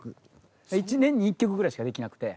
１年に１曲ぐらいしかできなくて。